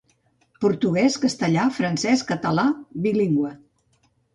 Portuguès, castellà, francès, català, bilingüe.